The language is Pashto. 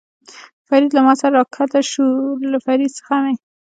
فرید له ما سره را کښته شو، له فرید څخه مې.